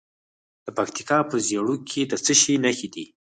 د پکتیکا په زیروک کې د څه شي نښې دي؟